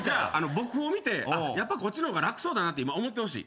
僕を見てやっぱりこっちの方が楽そうだなって思ってほしい。